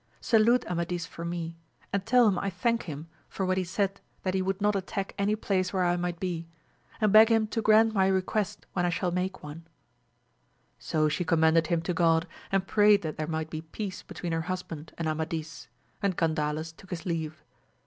Salute Amadis for me, and tell him I thank him for what he said that he would not attack any place where I might be, and beg him to grant my request when I shall make one* So she commended him to God, and prayed that there might be peace between her husband and Amadis; and Gandales took his leave.